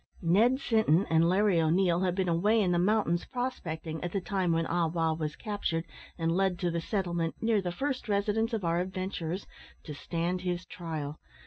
Ned Sinton and Larry O'Neil had been away in the mountains prospecting at the time when Ah wow was captured and led to the settlement, near the first residence of our adventurers, to stand his trial.